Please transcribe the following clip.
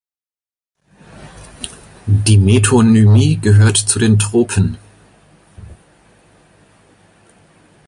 Die Metonymie gehört zu den Tropen.